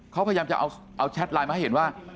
เขาพยายามจะเอาแชทไลน์มาให้เห็นว่า